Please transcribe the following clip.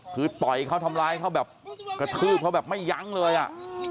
คือต่อยเขาทำร้ายเขาแบบกระทืบเขาแบบไม่ยั้งเลยอ่ะ